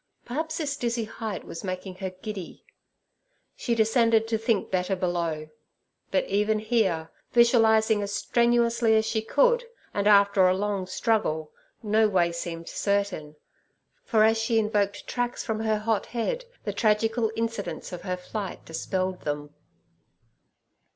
Perhaps this dizzy height was making her giddy. She descended to think better below. But even here, visualizing as strenuously as she could, and after a long struggle, no way seemed certain, for as she invoked tracks from her hot head, the tragical incidents of her flight dispelled them.